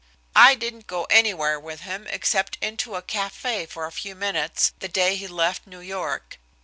I didn't go anywhere with him except into a café for a few minutes, the day he left New York.